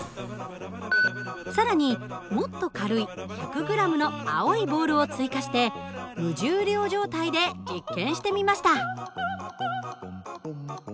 更にもっと軽い１００ｇの青いボールを追加して無重量状態で実験してみました。